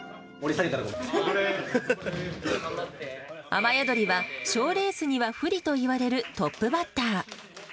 雨やどりは、賞レースには不利といわれるトップバッター。